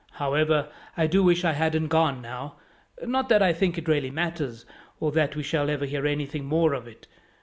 However, I do wish I hadn't gone now; not that I think it really matters, or that we shall ever hear anything more of it.